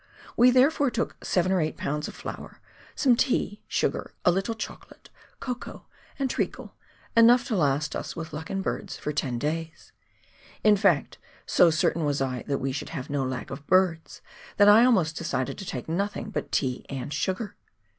We therefore took seven or eight pounds of flour, some tea, sugar, a little chocolate, cocoa, and treacle — enough to last us, with luck in birds, for ten days ; in fact, so certain was I that we should have no lack of birds, that I almost decided to take nothing but tea and sugar.